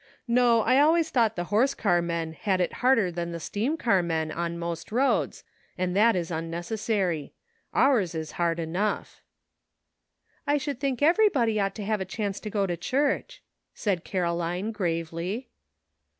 No, I always thought the horse car men had it harder than the steam car men on most roads, and that is unnecessary. Ours is hard enough.'' A NEW FRIEND. 86 " I should think everybody ought to have a chance to go to church," said Caroline gravely.